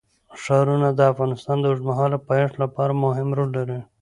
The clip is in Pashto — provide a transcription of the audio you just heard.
ښارونه د افغانستان د اوږدمهاله پایښت لپاره مهم رول لري.